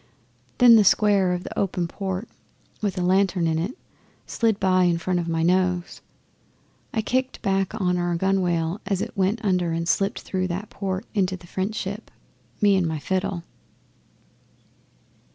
Then the square of an open port, with a lantern in it, slid by in front of my nose. I kicked back on our gunwale as it went under and slipped through that port into the French ship me and my fiddle.